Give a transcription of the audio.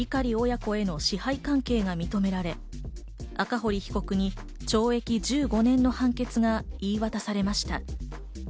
裁判では碇親子への支配関係が認められ、赤堀被告に懲役１５年の判決が言い渡されました。